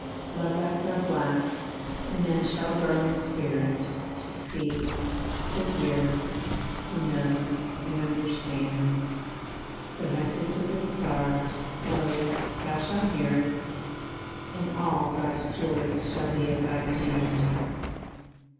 Love thyself last, and them shall grow in spirit To see, to hear, to know, and understand. The message of the stars, lo, thou shall hear it, And all God's joys shall be at thy command.